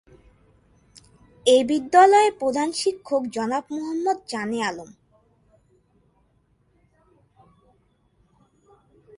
এ বিদ্যালয়ের প্রধান শিক্ষক জনাব মোহাম্মদ জানে আলম।